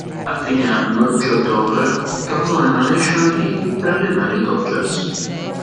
A fine anno, Joe Torre tornò nella National League per allenare i Dodgers.